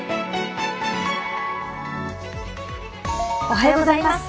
おはようございます。